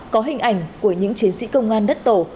có hình ảnh của những chiến sĩ công an đất tổ